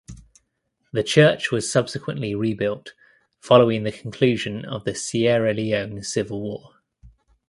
The church was subsequently rebuilt following the conclusion of the Sierra Leone Civil War.